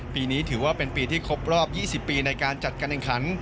ปีนี้ถือว่าเป็นปีที่ครบรอบ๒๐ปีในการจัดการแข่งขัน